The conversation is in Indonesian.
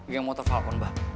yang motor falcon abah